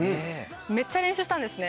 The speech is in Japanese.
めっちゃ練習したんですね